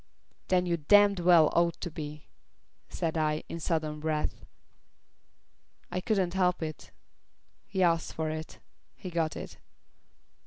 "Then you damned well ought to be," said I, in sudden wrath. I couldn't help it. He asked for it. He got it.